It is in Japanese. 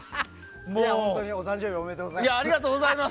本当にお誕生日おめでとうございます。